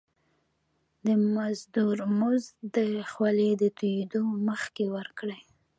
د مزدور مزد د خولي د تويدو مخکي ورکړی.